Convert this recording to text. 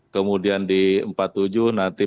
kemudian di empat puluh tujuh nanti